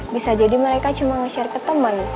bisa jadi mereka cuma nge share ke teman